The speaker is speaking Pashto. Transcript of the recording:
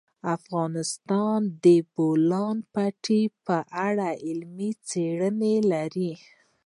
افغانستان د د بولان پټي په اړه علمي څېړنې لري.